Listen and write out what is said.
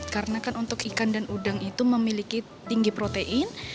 karena kan untuk ikan dan udang itu memiliki tinggi protein